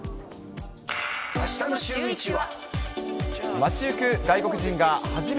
あしたのシューイチは。